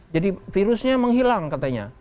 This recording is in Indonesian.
jadi virusnya menghilang katanya